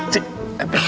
cik emang dia tidur